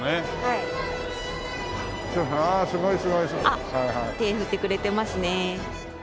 あっ手振ってくれてますね。